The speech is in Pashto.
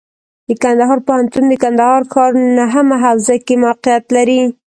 د کندهار پوهنتون د کندهار ښار نهمه حوزه کې موقعیت لري.